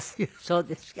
そうですか。